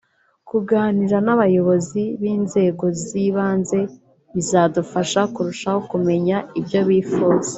kuganira n’abayobozi b’inzego z’ibanze bizadufasha kurushaho kumenya ibyo bifuza